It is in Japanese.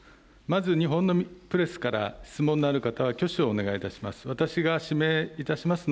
まず日本のプレスから質問のある方は挙手をお願いいたします。